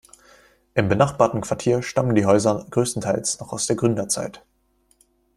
Im benachbarten Quartier stammen die Häuser größtenteils noch aus der Gründerzeit.